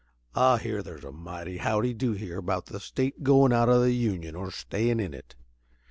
"I hear there's a mighty howdy do here about the state goin' out o' the Union or stayin' in it.